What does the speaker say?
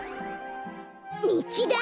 みちだ！